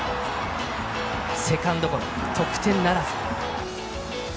セカンドゴロ得点ならず。